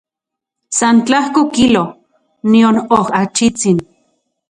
San tlajko kilo, nion okachitsin.